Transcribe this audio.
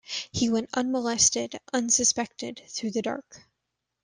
He went unmolested, unsuspected, through the dark.